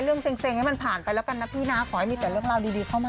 เซ็งให้มันผ่านไปแล้วกันนะพี่นะขอให้มีแต่เรื่องราวดีเข้ามา